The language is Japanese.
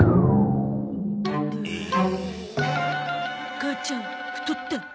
母ちゃん太った？